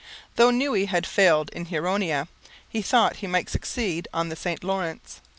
Though Noue had failed in Huronia, he thought he might succeed on the St Lawrence.